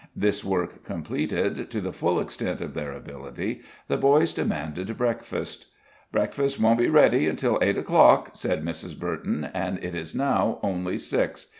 This work completed, to the full extent of their ability, the boys demanded breakfast. "Breakfast won't be ready until eight o'clock," said Mrs. Burton, "and it is now only six.